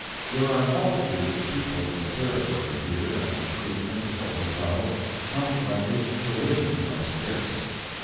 There are multitudes of people from the Territory here at the three principal hotels—consequently provisions are scarce.